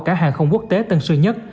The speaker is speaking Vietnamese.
cả hàng không quốc tế tân sơn nhất